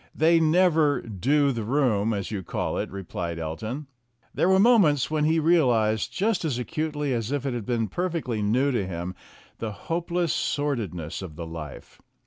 "They never do 'do the room' as you call it," replied Elton. There were moments when he realized just as acutely as if it had been perfectly new to him, the hopeless sordidness of the life.